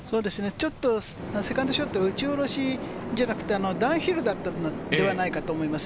ちょっとセカンドショット、打ち下ろしじゃなくて、ダウンヒルだったのではないかと思います。